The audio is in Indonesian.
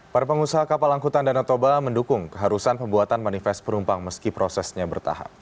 para pengusaha kapal angkutan danau toba mendukung keharusan pembuatan manifest penumpang meski prosesnya bertahap